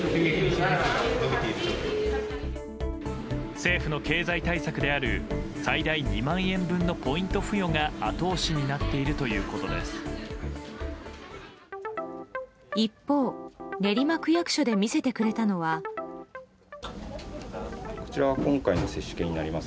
政府の経済対策である最大２万円分のポイント付与が後押しになっているということです。